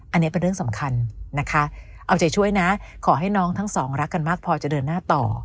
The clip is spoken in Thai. อันนี้เป็นเรื่องสำคัญนะคะเอาใจช่วยนะขอให้น้องทั้งสองรักกันมากพอจะเดินหน้าต่อ